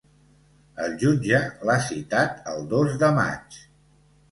El jutge l’ha citat el dos de maig.